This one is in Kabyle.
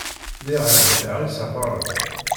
Lliɣ ɛerrḍeɣ isafaren.